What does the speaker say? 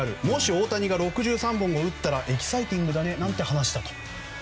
もし大谷が６３本を打ったらエキサイティングだねなんて話したと。